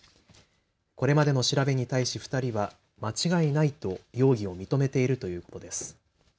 これまでの調べに対し２人は間違いないと容疑を認めているということです。